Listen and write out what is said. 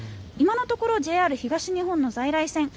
今のところＪＲ東日本の在来線